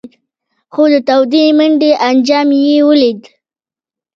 خو د تودې منډۍ انجام یې ولید.